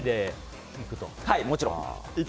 もちろん。